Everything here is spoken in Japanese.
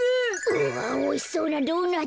うわっおいしそうなドーナツ。